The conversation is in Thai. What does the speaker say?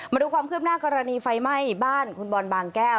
มาดูความคืบหน้ากรณีไฟไหม้บ้านคุณบอลบางแก้ว